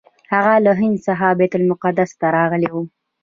هغه له هند څخه بیت المقدس ته راغلی و.